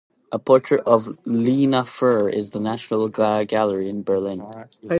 A portrait of Lina Fuhr is in the National Gallery in Berlin.